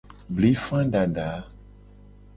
Blifa dada.